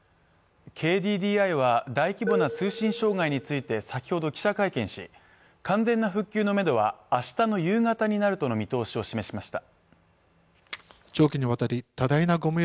ＫＤＤＩは大規模な通信障害について先ほど記者会見し完全な復旧のメドは明日の夕方になるとの見通しを示しました